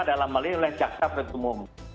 dalam hal ini oleh jaksa penutup umum